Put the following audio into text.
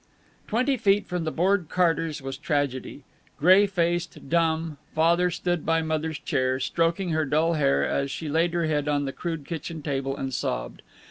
Twenty feet from the bored Carters was tragedy. Gray faced, dumb, Father stood by Mother's chair, stroking her dull hair as she laid her head on the crude kitchen table and sobbed.